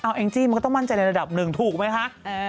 อังกฤษติกรมันจาะเรือนระดับ๑ถูกไหมคะ